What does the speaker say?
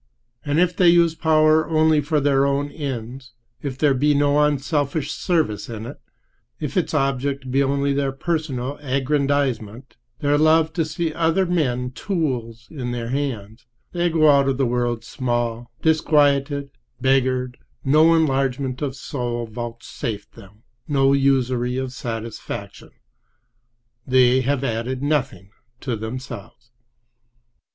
But if they use power only for their own ends, if there be no unselfish service in it, if its object be only their personal aggrandizement, their love to see other men tools in their hands, they go out of the world small, disquieted, beggared, no enlargement of soul vouchsafed them, no usury of satisfaction. They have added nothing to themselves.